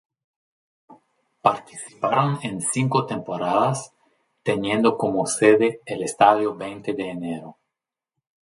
Participaron en cinco temporadas teniendo como sede el Estadio Veinte de Enero.